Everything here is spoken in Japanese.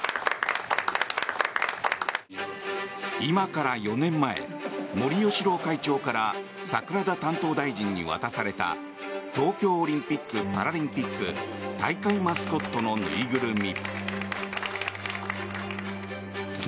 今から４年前森喜朗会長から桜田担当大臣に渡された東京オリンピック・パラリンピック大会マスコットの縫いぐるみ。